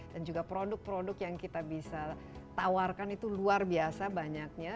dan juga produk produk yang kita bisa tawarkan itu luar biasa banyaknya